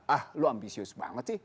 ah lu ambisius banget sih